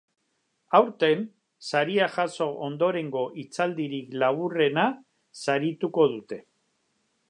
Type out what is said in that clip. Aurten, saria jaso ondorengo hitzaldirik laburrena sarituko dute.